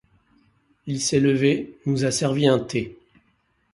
Il s’est levé, nous a servi un thé.